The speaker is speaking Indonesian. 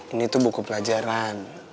ini tuh buku pelajaran